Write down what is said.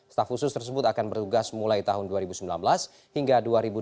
staf khusus tersebut akan bertugas mulai tahun dua ribu sembilan belas hingga dua ribu dua puluh